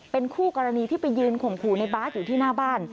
เป็นคู่กรณีที่ไปยืนข่มขู่ในบาสอยู่ที่หน้าบ้าน